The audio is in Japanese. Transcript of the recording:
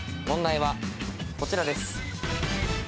問題はこちらです。